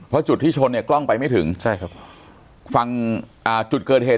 เพราะจุดที่ชนเนี่ยกล้องไปไม่ถึงใช่ครับฝั่งอ่าจุดเกิดเหตุ